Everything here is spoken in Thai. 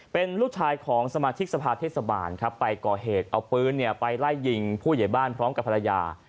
เป็นลูกชายของสมาชิกสภาเทศบาลครับไปก่อเหตุเอาปืนไปไล่ยิงผู้ใหญ่บ้านพร้อมกับภรรยา